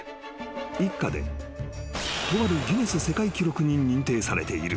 一家でとあるギネス世界記録に認定されている］